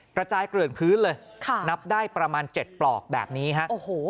กระจายเกลื่อนพื้นเลยค่ะนับได้ประมาณ๗ปลอกแบบนี้ฮะโอ้โห